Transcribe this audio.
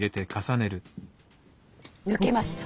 抜けました。